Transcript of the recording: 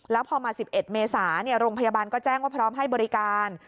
แล้วพอมา๑๑เมษาโรงพยาบาลก็แจ้งว่าพร้อมให้บริการ